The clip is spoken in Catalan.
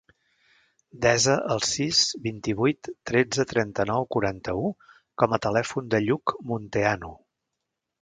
Desa el sis, vint-i-vuit, tretze, trenta-nou, quaranta-u com a telèfon del Lluc Munteanu.